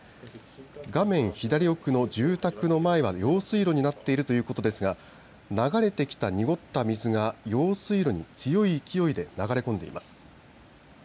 画面左奥の住宅の前は用水路になっているということですが流れてきた濁った水が用水路に強い勢いで流れ込んでいます。